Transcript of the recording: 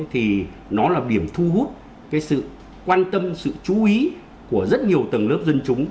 thì nó là điểm thu hút cái sự quan tâm sự chú ý của rất nhiều tầng lớp dân chúng